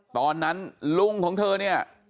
ตอนนั้นลุงของเธอเนี่ย